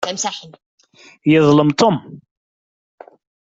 Yeḍlem Tom.